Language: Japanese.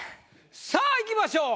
さあいきましょう。